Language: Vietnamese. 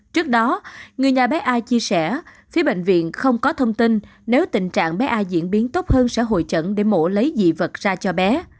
trước đó người nhà bé ai chia sẻ phía bệnh viện không có thông tin nếu tình trạng bé ai diễn biến tốt hơn sẽ hội trần để mổ lấy dị vật ra cho bé